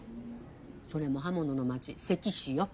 それも刃物の町関市よ。